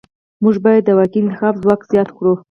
موږ باید د واقعي انتخاب ځواک زیات کړو.